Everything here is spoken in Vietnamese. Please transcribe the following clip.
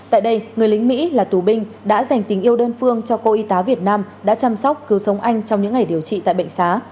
tại đây người lính mỹ là tù binh đã dành tình yêu đơn phương cho cô y tá việt nam đã chăm sóc cứu sống anh trong những ngày điều trị tại bệnh xá